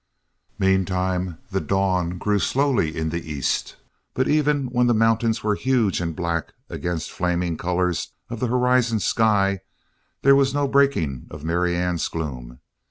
Meantime the dawn grew slowly in the east but even when the mountains were huge and black against flaming colors of the horizon sky, there was no breaking of Marianne's gloom.